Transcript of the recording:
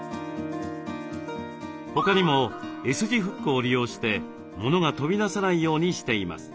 他にもＳ字フックを利用してものが飛び出さないようにしています。